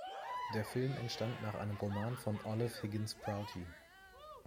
Der Film entstand nach einem Roman von Olive Higgins Prouty.